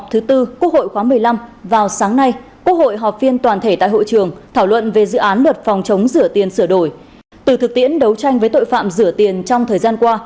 thưa quý vị tiếp tục chương trình kỳ họp thứ tư quốc hội khoáng một mươi năm vào sáng nay